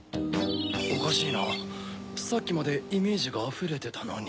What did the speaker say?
おかしいなさっきまでイメージがあふれてたのに。